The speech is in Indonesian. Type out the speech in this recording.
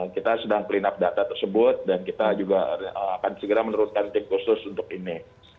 kita sudah cleanup data tersebut dan kita juga akan segera menurutkan tip khusus untuk ini